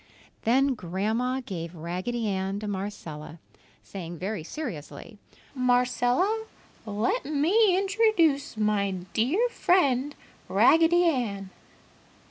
Then Grandma gave Raggedy Ann to Marcella, saying very seriously, "Marcella, let me introduce my very dear friend, Raggedy Ann.